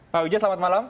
pak wijan selamat malam